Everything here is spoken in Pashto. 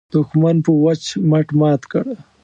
دوښمن مو په وچ مټ مات کړ.